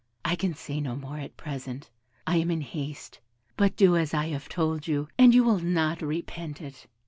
I can say no more at present I am in haste; but do as I have told you, and you will not repent it.